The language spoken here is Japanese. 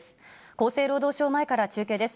厚生労働省前から中継です。